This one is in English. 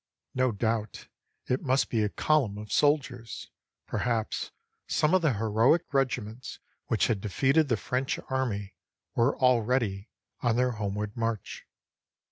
No doubt it must be a column of soldiers; perhaps some of the heroic regiments which had defeated the French army were already on their homeward march.